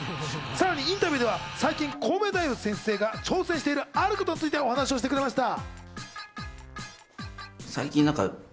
さらにインタビューでは最近、コウメ太夫先生が挑戦しているあることについて話してくれました。